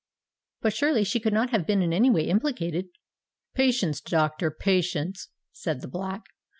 "But surely she could not have been in any way implicated——" "Patience, doctor—patience," said the Black.